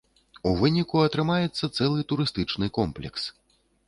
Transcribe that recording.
У выніку атрымаецца цэлы турыстычны комплекс.